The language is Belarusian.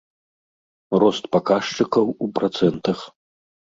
Рост паказчыкаў у працэнтах.